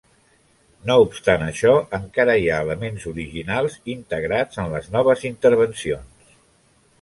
No obstant això encara hi ha elements originals integrats en les noves intervencions.